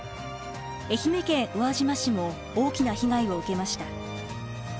愛媛県宇和島市も大きな被害を受けました。